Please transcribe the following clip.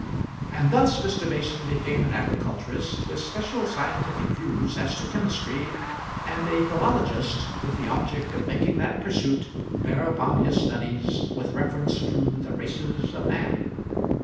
And thus Mr. Mason became an agriculturist with special scientific views as to chemistry, and a philologist with the object of making that pursuit bear upon his studies with reference to the races of man.